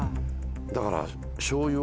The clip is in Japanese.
だから。